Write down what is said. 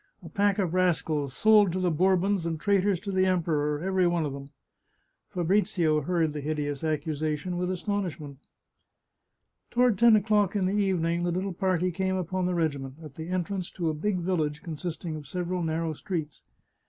A pack of rascals, sold to the Bourbons and traitors to the Emperor, every one of them !" Fabrizio heard the hideous accusation with astonish ment. Toward ten o'clock in the evening the little party came upon the regiment, at the entrance to a big village consist ing of several narrow streets.